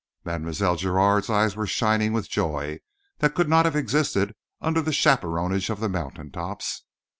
Mlle. Giraud's eyes were shining with a joy that could not have existed under the chaperonage of the mountain tops.